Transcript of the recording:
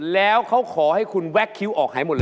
แล้วเขาขอให้คุณแว็กคิ้วออกหายหมดเลย